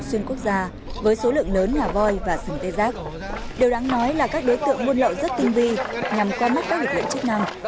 xuyên quốc gia với số lượng lớn là voi và sừng tê giác điều đáng nói là các đối tượng buôn lậu rất tinh vi nhằm qua mắt các lực lượng chức năng